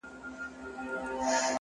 اراده د ستونزو دروازې پرانیزي!.